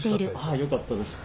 あよかったです。